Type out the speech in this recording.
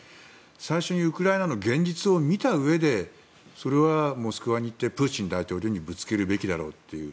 最初にウクライナの現実を見たうえでモスクワに行ってプーチン大統領にぶつけるべきだろうという。